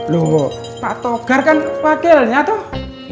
loh pak togar kan wakilnya tuh